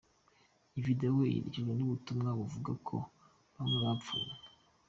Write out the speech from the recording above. Iyo video iherekejwe n'ubutumwa buvuga ko "bamwe bapfuye".